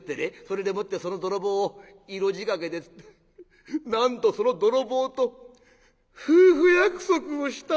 それでもってその泥棒を色仕掛けでなんとその泥棒と夫婦約束をしたんですって！